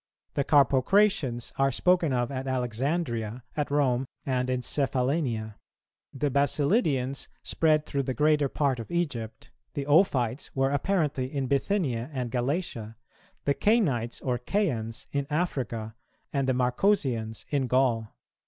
The Carpocratians are spoken of at Alexandria, at Rome, and in Cephallenia; the Basilidians spread through the greater part of Egypt; the Ophites were apparently in Bithynia and Galatia; the Cainites or Caians in Africa, and the Marcosians in Gaul.